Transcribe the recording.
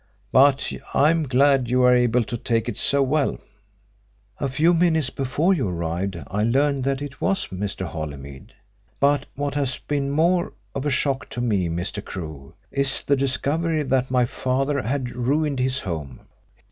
But I am glad you are able to take it so well." "A few minutes before you arrived I learned that it was Mr. Holymead. But what has been more of a shock to me, Mr. Crewe, is the discovery that my father had ruined his home.